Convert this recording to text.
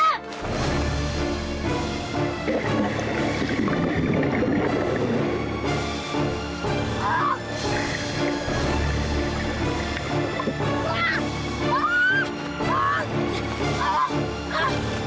diri dxu mahnn